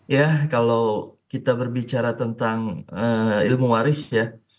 ya kalau kita berbicara tentang ilmu waris ya